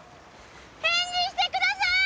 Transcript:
返事してください！